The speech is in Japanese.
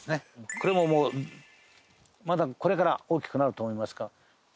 これももうまだこれから大きくなると思いますが。